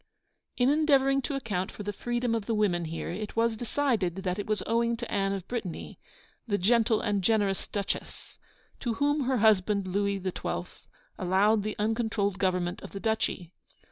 In endeavouring to account for the freedom of the women here, it was decided that it was owing to Anne of Brittany, the 'gentle and generous Duchesse,' to whom her husband Louis XII. allowed the uncontrolled government of the duchy.